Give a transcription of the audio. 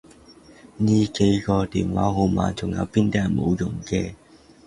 呢幾個電話號碼仲有邊啲係冇用嘅？